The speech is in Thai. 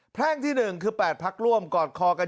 แพร่งที่๑คือ๘พักร่วมกอดคอกัน